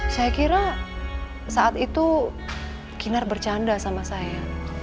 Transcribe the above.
saya kira saat itu kinar bercanda sama saya